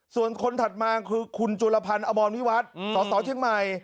ส่วนคนถัดมาคือคุณจุลพันธ์อมรวิวัฒน์สสเชียงใหม่